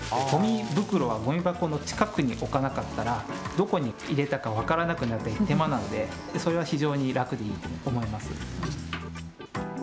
ごみ袋はごみ箱の近くに置かなかったらどこに入れたか分からなくなって、手間なんで、それは非常に楽でいいと思います。